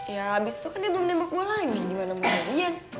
ya abis itu kan dia belum nembak gue lagi gimana mau jadian